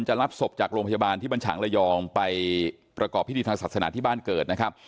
รับศพจากโรงพยาบาลที่บรรฉางระยองไปประกอบพิธีทางศาสนาที่บ้านเกิดนะครับ